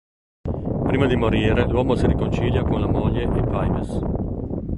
Prima di morire, l'uomo si riconcilia con la moglie e Pipes.